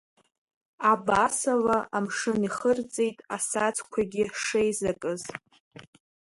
Абасала амшын ихырҵеит асаӡқәагьы шеизакыз.